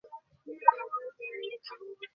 শান্ত হও, শান্ত হও।